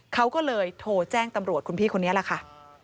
เขาก็เลยโทรแจ้งตำรวจคุณพี่คนนี้แหละค่ะ